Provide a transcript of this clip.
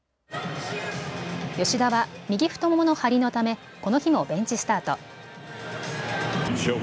吉田は右太ももの張りのためこの日もベンチスタート。